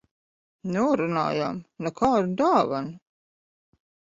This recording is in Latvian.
Norunājām - nekādu dāvanu.